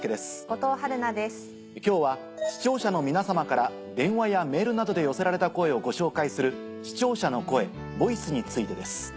今日は視聴者の皆様から電話やメールなどで寄せられた声をご紹介する。についてです。